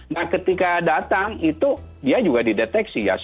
nah ketika datang itu dia juga dideteksi ya